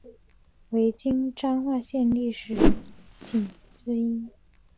为今彰化县历史十景之一。